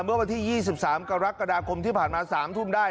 เมื่อวันที่๒๓กรกฎาคมที่ผ่านมา๓ทุ่มได้